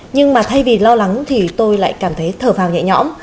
nhưng mà thay vì lo lắng thì tôi lại cảm thấy thở vào nhẹ nhõm